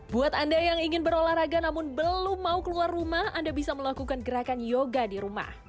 buat anda yang ingin berolahraga namun belum mau keluar rumah anda bisa melakukan gerakan yoga di rumah